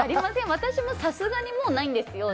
私もさすがに今はないんですけど。